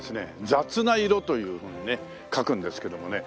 「雑」な「色」というふうにね書くんですけどもね。